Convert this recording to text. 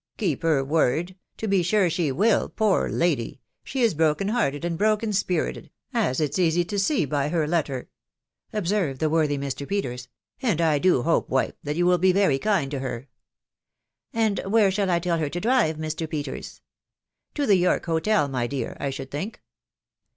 " Keep her word ?•.•. to be sure she will, poor lady ! She is broken hearted and broken spirited, as it's easy to see by her letter," observed the worthy Mr. Peters; "and I do hope, wife, that you will be very kind to her." " And where shall I tell her to drive, Mr. Peters ?"" To the York Hotel, my dear, I should think."